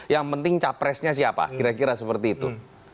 yang penting capresnya siapa kira kira seperti itu